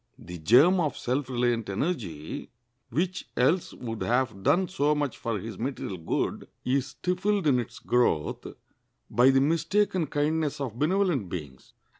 The germ of self reliant energy, which else would have done so much for his material good, is stifled in its growth by the mistaken kindness of benevolent beings.